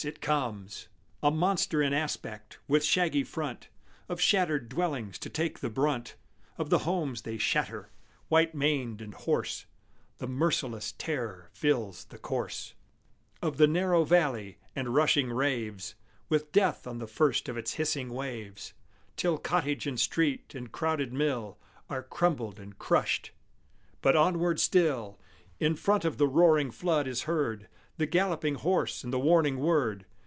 it comes! A monster in aspect, with shaggy front Of shattered dwellings to take the brunt Of the homes they shatter; white maned and hoarse, The merciless Terror fills the course Of the narrow valley, and rushing raves, With death on the first of its hissing waves, Till cottage and street and crowded mill Are crumbled and crushed. But onward still, In front of the roaring flood, is heard The galloping horse and the warning word.